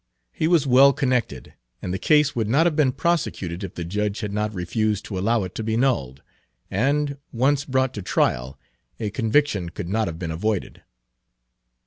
He was well connected, and the case would not have been prosecuted if the judge had not refused to allow it to be nolled, and, once brought to trial, a conviction could not have been avoided.